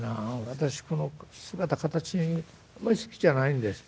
私この姿形あまり好きじゃないんです」。